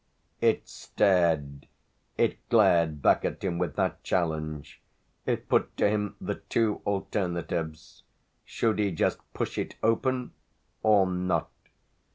It stared, it glared back at him with that challenge; it put to him the two alternatives: should he just push it open or not?